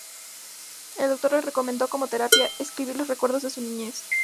El doctor le recomendó como terapia escribir los recuerdos de su niñez.